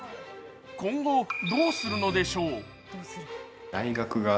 今後、どうするのでしょう。